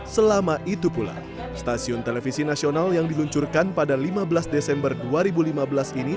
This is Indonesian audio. selama itu pula stasiun televisi nasional yang diluncurkan pada lima belas desember dua ribu lima belas ini